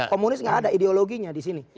komunis gak ada ideologinya di sini